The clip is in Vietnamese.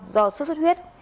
do xuất xuất huyết